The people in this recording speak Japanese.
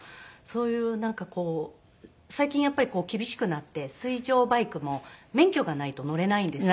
そういうなんかこう最近やっぱり厳しくなって水上バイクも免許がないと乗れないんですよね。